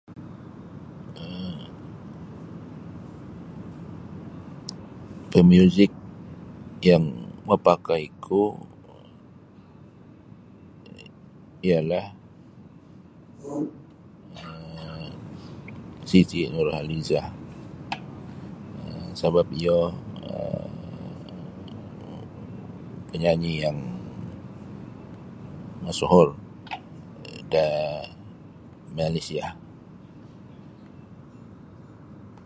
um Pamiuzik yang mapakaiku ialah um Siti Nurhalizah sabap iyo panyanyi yang masuhor da Malaysia.